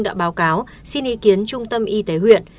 đã báo cáo xin ý kiến trung tâm y tế huyện